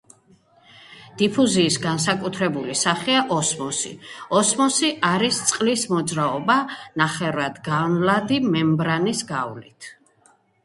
დიფუზიის განსაკუთრებული სახეა ოსმოსი. ოსმოსი არის წყლის მოძრაობა ნახევრადგანვლადი მემბრანის გავლით.